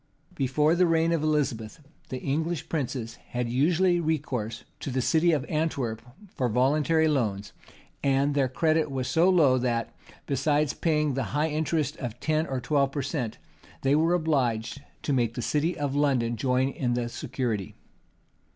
Before the reign of Elizabeth, the English princes had usually recourse to the city of Antwerp for voluntary loans; and their credit was so low, that, besides paying the high interest of ten or twelve per cent., they were obliged to make the city of London join in the security.